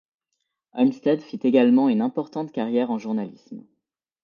Olmsted fit également une importante carrière en journalisme.